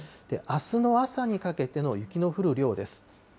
あすの朝にかけての雪の降る量です。